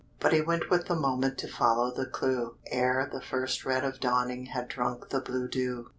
But he went with the moment To follow the clue, Ere the first red of dawning Had drunk the blue dew.